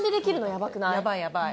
やばいやばい。